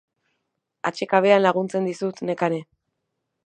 Atsekabean laguntzen dizut, Nekane.